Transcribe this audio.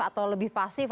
atau lebih pasif